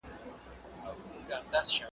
د هغوی علمي میراث